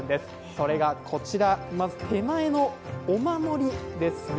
それがこちら、まず手前のお守りですね。